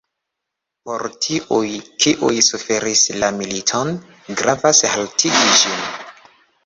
Por tiuj, kiuj suferis la militon, gravas haltigi ĝin.